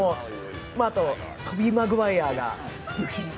あと、トビー・マグワイアが。